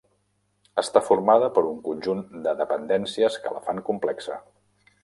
Està formada per un conjunt de dependències que la fan complexa.